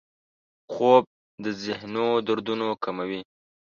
خوب د ذهنو دردونه کموي